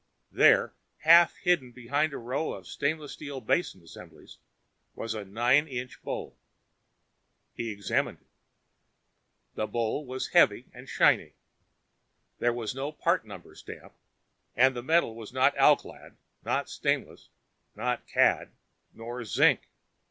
There, half hidden behind a row of stainless steel basin assemblies, was a nine inch bowl. He examined it. The bowl was heavy and shiny. There was no part number stamp, and the metal was not alclad, not stainless, not cad nor zinc.